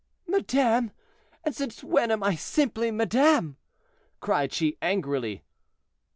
"Madame! And since when am I simply madame?" cried she angrily.